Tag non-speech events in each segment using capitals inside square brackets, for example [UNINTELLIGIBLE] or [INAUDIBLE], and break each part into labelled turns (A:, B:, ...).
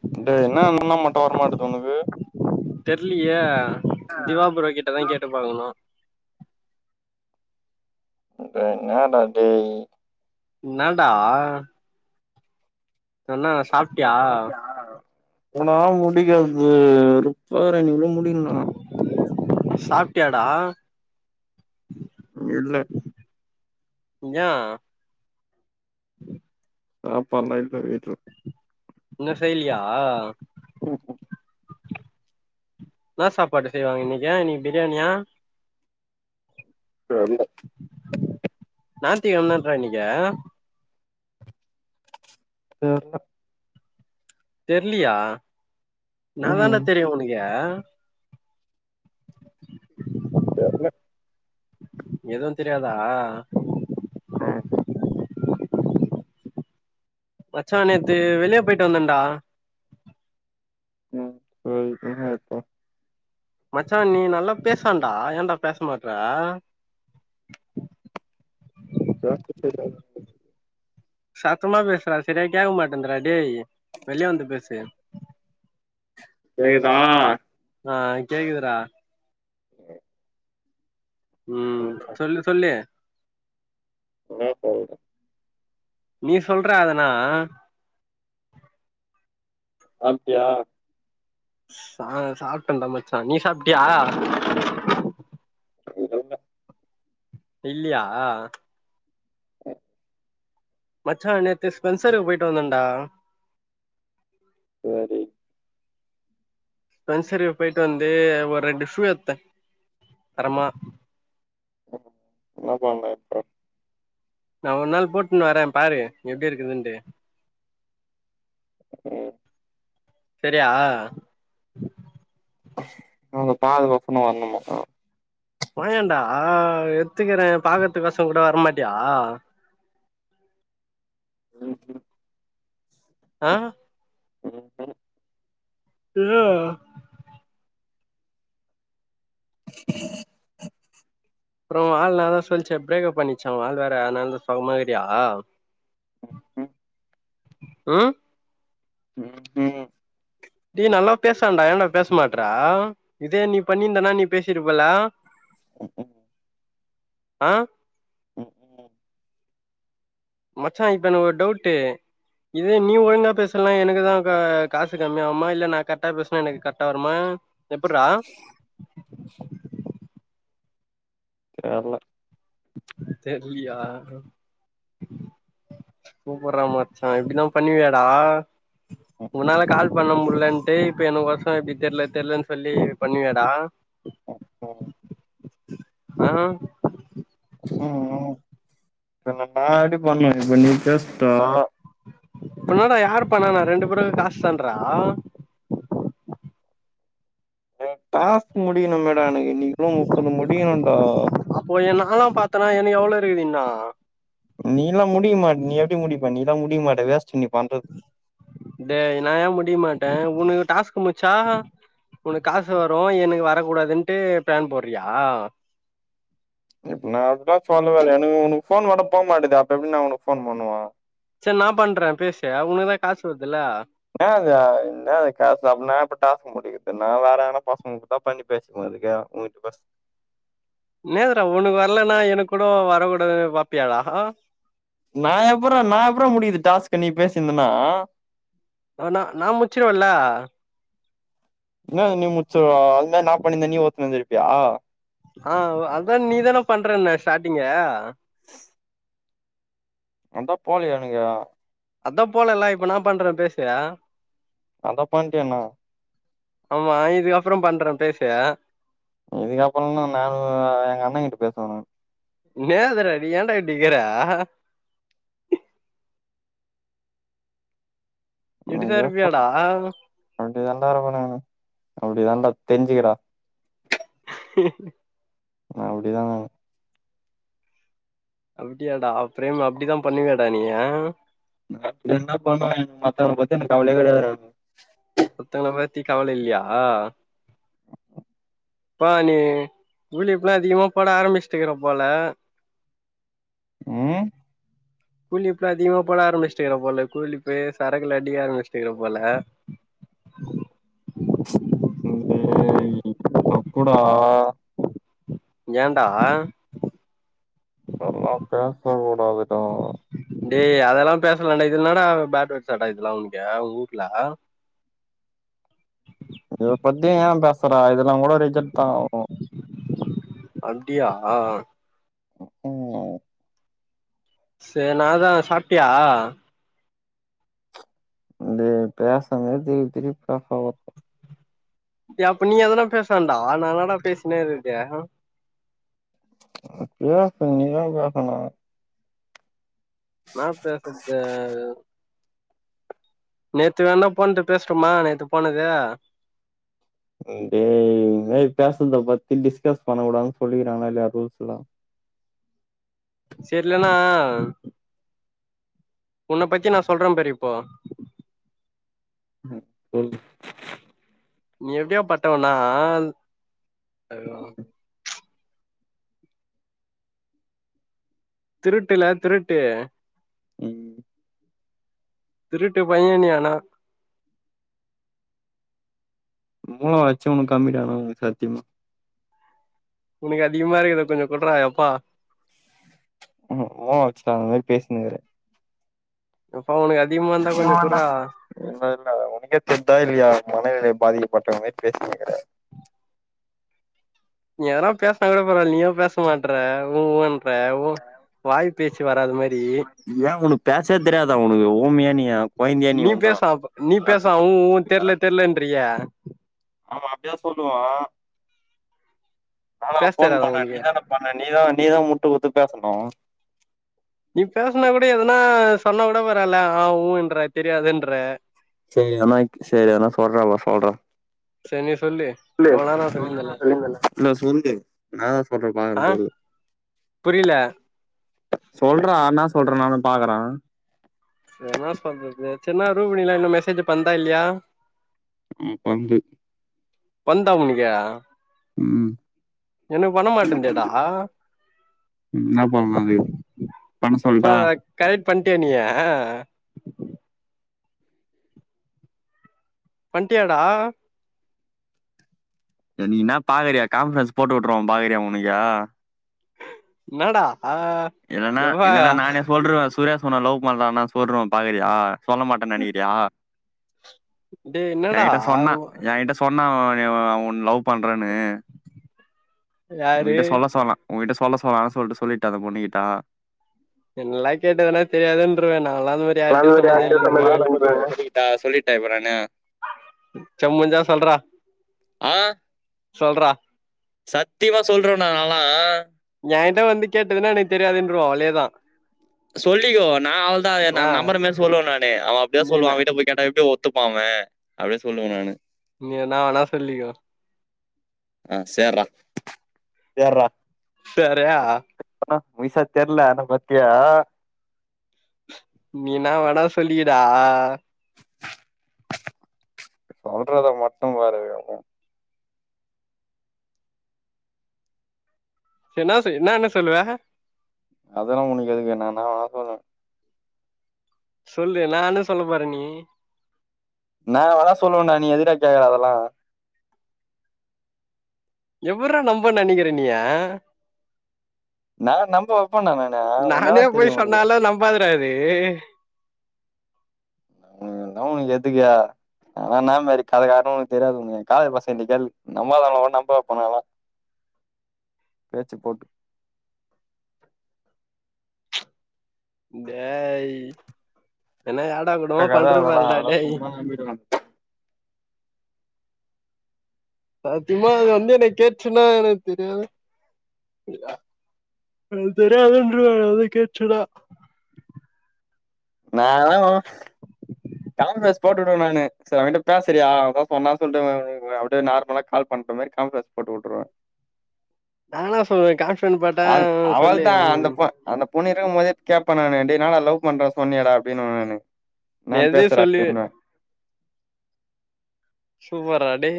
A: ! ! ! ! ! ! ! ! ! !
B: தெர்லியே திவா ப்ரோ கிட்டதா கேட்டு பாக்கணு
A: அப்டியா என்னடா டேய்
B: இன்னாடா என்னா சாப்ட்டியா
A: இனா முடிக்கற்து வெறுப்பாருக்கு இன்னும் முடிக்கல் நா
B: சாப்ட்டியாடா
A: இல்ல
B: யா
A: ஆ பண்ண இருக்கார் வீட்ல
B: இனோ செய்லியா
A: ம்ஹும்
B: என்னா சாப்பாடு செய்வாங்க இன்னிக்கி இன்னிக்கி பிரியாணியா
A: தெர்ல
B: ஞாயித்திக்கெழ்ம தான்ரா இன்னிக்கி
A: தெர்ல
B: தெர்லியா னா தான்டா
A: ம்
B: தெரியு உனுக்கு
A: தெர்ல
B: எதுவு தெர்யாதா
A: ம்
B: மச்சா நேத்து வெளிய போயிட்டு வந்தேன்டா
A: ம் போயிட்டு மச்சா
B: மச்சா நீ நல்லா பேசன்டா ஏன்டா பேச மாட்ற
A: பேச தெரியாது
B: சத்தமா பேசுரா செரியா கேக்கமாட்டுந்துரா டேய் வெளிய வந்து பேசு
A: ஏய் வேணா
B: ஆ கேக்குது ரா
A: ஏ
B: ம் சொல்லு சொல்லு
A: என்னா சொல்ற
B: நீ சொல்ரா அதனா
A: சாப்டியா
B: சா சாப்ட்டேன்டா மச்சா நீ சாப்ட்டியா
A: இன்னுல்ல
B: இல்லியா
A: [UNINTELLIGIBLE]
B: மச்சா நேத்து ஸ்பென்சருக் போயிட்டு வந்தேன்டா
A: சேரி
B: ஸ்பென்சரி போயிட்டு வந்து ஒரு ரெண்டு ஷூ எத்தே தரமா
A: என்னா பண்ற
B: நா ஒரு நாள் போட்னு வரே பாரு எப்டி இருக்குதுன்ட்டு
A: ம்
B: செரியா
A: உங்க பாதுகாப்புக்கு நா வரணுமாக்கு
B: வாயேன்டா எத்துக்குறே பாக்கற்துக்காசோ கூட வரமாட்டியா
A: ம்ஹும்
B: ஆ
A: ம்ஹும்
B: ஏ
A: [INAUDIBLE]
B: அப்றோ உ ஆள் என்னைத் சொல்ச்சு பிரேக்கப் பண்ணிச்சா உ ஆள் வேற அனால்தா சோகமாரிகியா
A: ம்ஹும்
B: ம்
A: ம்ஹும்
B: டே நல்லா பேசேன்டா ஏண்டா பேச மாட்ற இதே நீ பண்ணிருந்தனா நீ பேசிருபலா
A: உ உ
B: அ
A: உஹூ
B: மச்சா இப்ப எனக்கொரு டவுட்டு இதே நீ ஒழுங்கா பேசலனா எனக்குதா கா காசு கம்மி யாகுமா இல்ல நா கரக்டா பேசுனா எனக்கு கரக்டா வருமா எப்புட்றா
A: தெர்ல
B: தெர்லியா சூப்பரா மச்சா இப்டிதா பண்ணுவியாடா
A: ம்ஹும்
B: உன்னால கால் பண்ண முடியலன் டு இப்ப எனக் வரசொல இப்டி தெர்ல தெர்லன்னு சொல்லி இப்பண்ணுவியாடா
A: ம்
B: ஆ
A: ம் ம் முன்னாடி பண்ணுவியே இப்ப நீ பேசட்டு
B: உன்னோட யார் பண்ணனா ரெண்டு பேரே காஸ் தான்றா
A: டாஸ்க் முடியணு மேடா எனக்கு இன்னகுள முப்பது முடியணுடா
B: அப்போ என்நாலாம் பாத்தனா எனக்கு எவ்ளோ இருக்குதிண்ணோ
A: நீலா முடிக்கமாட்ட நீ எப்டி முடிப்ப நீலா முடிக்கமாட்ட வேஸ்ட் நீ பண்றது
B: டேய் நா ஏ முடிக மாட்டே உனக்கு டாஸ்க் முச்சா உனக்கு காசு வரு எனக்கு வரக்கூடாதுன்ட்டு ப்ளான் போட்றியா
A: இப்ப நா அப்லா சொல்லவேயில்ல எனக்கு உனக்கு போன் வட்ட போக மாட்டேது அப்ப எப்டி நா ஒனக்கு போன் பண்ணுவே
B: செரி நா பண்றே பேசு உனக்குதா காஸ் வருதுல்ல
A: ன்ன அது என்ன டாஸ்க் அப்பனா எப்ப டாஸ்க் முடிக்குது நா வேற வேனா பசங்க பண்ணி பேசிக்கு ஒனக்கு உகிட்ட பேசி
B: என்னதுரா ஒனக்கு வரலனா எனக்கு கூட வரகூடாதுனு பாப்பியா டா
A: நா எப்புறா நா எப்புறாமுடிக்கறது டாஸ்க்கு நீ பேசியிருந்தனா
B: ஆனா நா முச்சுருவல்ல
A: என்னது நீ முச்சுருவ அதுமாரி‌ நா பண்ணிந்த நீ ஒத்துனுருந்துருப்பியா
B: ஆ அதான் நீதானே பண்றேன்ன ஸ்டார்டிங்கே
A: அதா போலயே எனகே
B: அதா போலல்ல இப்ப நா பண்றே பேசெ
A: அதா பண்ட்டியேண்ணா
B: ஆமா இதுக்கப்றொ பண்றே பேசே
A: இதுக்கப்றதா நானு எங்க அண்ணங்கிட்ட பேசனு
B: நே அதுற நீ ஏன்டா இப்டிருக்கற இப்டி தா
A: ஐயோ
B: இருப்பியாடா
A: அப்டி தாண்டா இருப்பேணு அப்டி தாண்டா தெரிஞ்சுக்கடா அப்படிதா
B: அப்டியாடா ப்ரேம் அப்டிதா பண்ணுவியாடா நீ
A: பட்டுதுனா பண்ணுவே மத்தவ பத்தி எனக்கு கவலயே கெடையாதுடா
B: மத்தவங்கல பத்தி கவல இல்லியா ப்ப நீ உள்ளி இப்பல்லா அதிகமா போட ஆரம்பிச்சுட்டுக்கிறப்போல
A: ம்
B: புள்ளி இப்ப அதிகமா போட ஆரம்பிச்சுட்டுருக்கிற போல கூலிப் சரக்குலா அடிக்க ஆரம்பிச்சுட்டு இருக்குற போல
A: டேய் தப்புடா
B: ஏன்டா
A: அதுலா பேசக் கூடாதுடா
B: டேய் அதெல்லா பேசலாம்டா இதென்னடா பேட் வேட்ஸாட இதுல்லாம் உன்கே உன் ஊட்ல
A: இத பத்தி ஏன் பேசுற இதெல்லாம் கூட ரிஜெக்ட் தான் ஆகும்
B: அப்டியா
A: ம்கூம்
B: சேரி நாதா சாப்டியா
A: டேய் பேசும்போது திருப்பி திருப்பி பாப்பாங்க
B: டே அப்ப நீ எதனா பேச வேண்டா நா என்னடா பேசினேருக்றது
A: அப்டின இப்ப நீதான் பேசனு
B: என்ன பேசுறது உ நேத்து வேணா போண்ட்ட பேசுட்டும நேத்து போனது
A: டேய் இந்மாதிரி பேசுறத பத்தி டிஸ்கஸ் பண்ணக்கூடாதுனு சொல்லிருக்றாங்களா இல்லயா குரூப்ல
B: சேரிலன்னா உன்ன‌ பத்தி நா சொல்றேன் பாரு இப்போ
A: ம் டேய்
B: நீ எப்டியாபபட்டவன்னா திருட்டுல திருட்டு திருட்டு பைய நீ ஆனா
A: மூள வச்சுன்னு கம்மிடாணும்ங்க சாத்தியமா
B: உனக்கு அதிகமா இருக்றது கொஞ்சோ குட்றா எப்பா
A: அவுனுக்கு கோவம் வந்துருச்சுட ந்தமாதிரி பேசினுருக்குற
B: எப்பா உனக்கு அதிகமா இருந்தா கொஞ்சம் குட்றா
A: இல்ல இல்ல உனக்கே தெர்தா இல்லையா மனநிலை பாதிக்கப்பட்டவே மாதிரி பேசினேருக்கிற
B: நீ எதுனா பேசுனா கூட பரவால நீயும் பேச மாட்ற உ உன்ற உ வாய் பேச்சு வராத மாரி
A: ஏன் உனக்கு பேசவே தெரியாதா உனக்கு ஊமயா நீ கோழந்தய நீ உன்னும் தான்
B: இப்பவும் தெரில தெரிலன்ட்றிய
A: அவ அப்டிதா சொல்லுவா நானா
B: பேச
A: ஃபோன்
B: தெரியாதா
A: பண்ணே
B: உனக்கு
A: நீதான பண்ன நீதான் நீதான் முட்டு குடுத்து பேசணும்
B: நீ பேசுனா கூட எதுனா சொன்னா கூட பரவால ஆ ஊன்ற தெரியாதுன்ற
A: சேரி ஆனா இப் சேரி ஆனா சொல்றேப்பா சொல்றே
B: செரி நீ
A: சொல்லு
B: இவ்ளோ நேரோ சொல்லிருந்தல்ல ஆ
A: [UNINTELLIGIBLE] [UNINTELLIGIBLE]
B: புரில
A: சொல்றா என்ன சொல்றனு நானு பாக்குறே
B: என்ன சொல்றது சென்ன ரூபிணிலா இன்னும் மெசேஜ் பண்தா இல்லையா
A: ஏ பண்து
B: பண்தா உனக்கு
A: ம்
B: எனக்கு பண்ண மாட்டேங்குதடா
A: என்ன பண்லா அதுக்கு பண்ன சொல்ட்டா
B: இப்ப கரெக்ட் பண்டியா நியீ பண்ட்டியாடா
A: நீ என்னா பாக்றியா கான்ஃப்ரன்ஸ் போட்டு வுட்ருவோ பாக்றியா உனக்கே
B: என்னடா ஆஹ்
A: இல்லனா இல்லனா நானே சொல்றுவே சுரேஷ் உன்ன லவ் பண்றானா சொல்றுவே பாக்றியா சொல்ல மாட்டேன் நெனைக்கிறியா
B: டேய் என்னடா
A: என்கிட்ட சொன்னா என்கிட்ட சொன்னா ய அவன் உன்ன லவ் பண்றேன்னு
B: யாரு
A: உன்கிட்ட சொல்ல சொன்னா உன்கிட்ட சொல்ல சொன்னானு சொல்ட்டு சொல்லிர்டா அந்த பொண்ணுக்கிட்ட
B: என்னல்லா கேட்டுதுனா தெரியாதுன்றுவே நால்லா அந்த மாதிரி யார்டையும் சொன்னதே இல்லன்றுவே
A: [UNINTELLIGIBLE] நா சொல்லிட்டே அப்புற என்ன
B: செ முஞ்சா சொல்றா
A: ஆஹ்
B: சோல்றா
A: சத்தியமா சொல்றே நாலா
B: ஏன்கிட்ட வந்து கேட்டதுன்னா எனக்கு தெரியாதுன்றுவோ அதே தான்
A: சொல்லிகோ நா அவ்ளோதா
B: ஆ
A: நம்பர்மதி சொல்லுவே நானு அவன் அப்படிதான் சொல்லுவான்
B: நீன
A: அவன் கிட்ட போய் கேட்டா எப்டி த்துப்பா அவே அப்டினு சொல்லுவே நானு
B: நீ என்ன வேணா சொல்லிகோ
A: ஆ சேர்ர சேர்ர
B: சேரி ஆ
A: அப்ற பைசா தேர்ல பாத்தியா
B: நீ என்ன வேணா சொல்லிகடா
A: சொல்றத மட்டு பாரு
B: என்ன செய் என்னான்னு சொல்லுவ
A: அதெல்லா உன்க்கு எதுக்கு நான் நா வா சொல்லுவேன்
B: சொல்லு என்னான்னு சொல்ல போற நீ
A: என்ன வேணா சொல்லுவேண்டா நீ எதுக்குட கேக்ற அதெல்லா
B: எப்றா நம்ப நினைகிற என்ய
A: நான் நம்ப வைப்பணா அவன என்னலா
B: நானே
A: தெரியு
B: போய்
A: உனக்கு
B: சொன்னாலா நம்பாதுடா இது
A: அதுலா உனக்கு எதுக்கு நான்னமாரி கத காரணு உனக்கு தெரியாது காலேஜ் பசங்க கிட்டகேள் நீ நம்பாதவங்கள நம்ப வைப்பே நாளா
B: [INAUDIBLE]
A: பேச்சு போட்டு
B: டேய் என்ன எடாகுடமா பண்ற பாருடா டேய்
A: நம்பிடலா
B: சத்தியமா அது வந்து என்னை கேட்சுனா எனக்கு தெரியாது எனக்கு தெரியாதுன்று வந்து கேட்சுனா
A: [UNINTELLIGIBLE]
B: [INAUDIBLE]
A: காம்ரமேஸ் போட்டுவிடுவே நானு சரி அவன்ட்ட பேசுறியா பாப்போ என்ன சொல்ட்டு [UNINTELLIGIBLE] அவள்ட நார்மலா கால் பன்ற மாரி காம்ர போட்டு விட்டுருவேன்
B: நானா சொல்லுரே கான்பிரன்ஸ் போட்டா
A: அ
B: உ சொல்லு
A: அவள்தா
B: உ
A: அந்த
B: உ
A: பொ அந்த பொண்ணுயிருக்கு போதே கேப்பே நானு டேய் நான லவ் பண்றே சொன்னியா டா அப்படின்னு நானு
B: நீ
A: நா
B: எதையும்
A: பேசுறே
B: சொல்லி
A: அப்டின்னு
B: சூப்பரா டேய்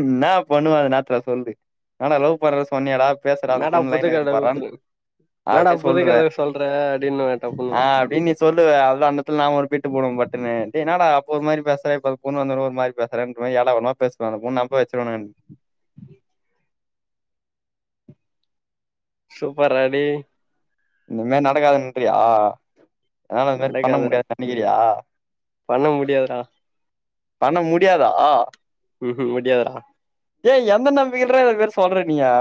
A: என்ன பண்ணுவ அந்த நேரத்துல சொல்லு நானா லவ் பண்றே சொன்னியா டா பேசுனாலு அந்த பொண்ணு லைன்ல இருக்கு பாரான்
B: என்னட புதுகதை சொல்ற அப்படின்னு டபுனு
A: அ அப்படின்னு நீ சொல்லுவ அத அந்தெடத்துல நான் ஒரு பிட்டு போடுவே பட்டுனு டேய் என்னடா அப்ப ஒருமாரி பேசுற இப்ப பொண்ணு வந்தது ஒருமாரி பே சுறன்றுவே எடாகுடமா பேசுவ அந்த பொண்ணு நம்ப வச்சுறுவே நா
B: சூப்பர்ரா டேய்
A: இனிமே நடக்காதுன்றியா னால அது மாரி பண்ண
B: நடக்காதுடா
A: முடியாது நினைகிறியா
B: பண்ண முடியாதுடா
A: பண்ண முடியாதா
B: உ ஹு முடியாதுடா
A: டேய் எந்த நம்பிகைலட இத போல சொல்ற நீயே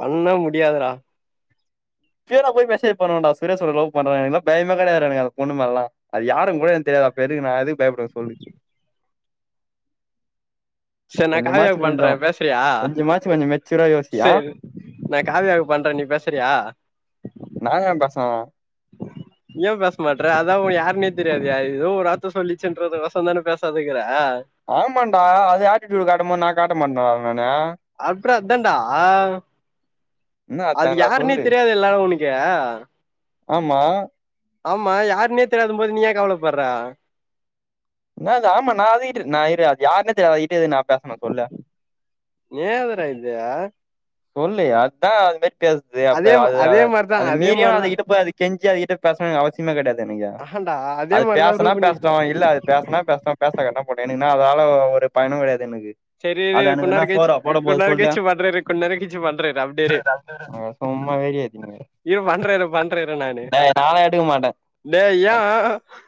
B: பண்ண முடியாதுடா
A: நேரா போய் மெசேஜ் பண்ணுவேண்டா சுரேஷ் உங்கள லவ் பண்றாண்ணு பயமே கிடையாதுட எனக்கு அந்த பொண்ணு மேலால அது யாரு கூட எனக்கு தெர்யாது அப்ப எதுக்கு நா எதுக்கு பயப்படனு சொல்லு
B: சேரி நா காவியாக்கு பண்றே பேசுறியா
A: வச்சிரியா வச்
B: செரி நா காவியாக்கு பண்றே நீ பேசுறியா
A: நா ஏ பேசணு
B: ஏ பேச மாட்டற அதா உன்னைய யாருனே தெரியாதே ஏதோ ஒரு வார்த்த சொல்லிச்சன்றது கொசறோந்தானே பேசாதுக்கற
A: ஆம்மாண்டா அது ஆட்டிடியுடு காட்டும் போது நா காட்ட மாட்டனாடா நானு
B: அப்புற அதா டா
A: என்ன
B: அது
A: அதான்டா
B: யாருனே
A: சொல்லு
B: தெரியாத எல்லா உனக்கே
A: ஆமா
B: ஆமா யாருன்னே தெரியாதம் போது நீ ஏ கவலப்படுற
A: என்னது ஆமா நா அது கிட்ட நா இரு அது யாருனே தெரியதா அதுக்கிட்ட எது நா பேசணு சொல்லு
B: ஏதுடா இது
A: சொல்லு அதா அந்த மாரி பேசுது அப்ப
B: அதே
A: அது அது
B: அதே மாரிதா
A: அத
B: அதே
A: மீறியு
B: மாரிதா
A: அதுகிட்ட போயி அது கெஞ்சி அது கிட்ட பேசணு எனக்கு அவசியமே கெடையாது எனக்கு
B: ஆஹான்டா அதே
A: அது
B: மாரிதா
A: பேசனா
B: ரூபினி
A: பேசட்டு இல்ல அது பேசனா பேசட்டு பேசக்கட்ட போட்டு எனக்கின்ன அதால ஒ ஒரு பயனோ கெடையாது எனக்கு
B: செரி இரு
A: அது எனக்குன்னா
B: கொண்ணேரோ கழிச்சி
A: சோறா போட போது
B: கொண்ணேரோ
A: சொல்லு
B: கழிச்சி பண்ற இரு கொண்ணேரோ கழிச்சி பண்ற இரு அ டே டே
A: சும்மா வேடிய
B: இரு பண்ற இரு பண்ற இரு நானு
A: நாலா எடுக்க மாட்டே
B: டேய்
A: ஆ
B: ஏ